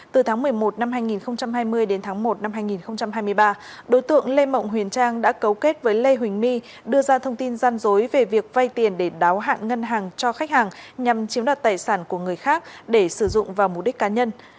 từ tháng một mươi một năm hai nghìn hai mươi đến tháng một năm hai nghìn hai mươi ba đối tượng lê mộng huyền trang đã cấu kết với lê huỳnh my đưa ra thông tin gian dối về việc vay tiền để đáo hạn ngân hàng cho khách hàng nhằm chiếm đoạt tài sản của người khác để sử dụng vào mục đích cá nhân